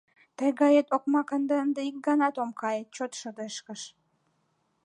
— Тый гает окмак дене ынде ик ганат ом кае, — чот шыдешкыш.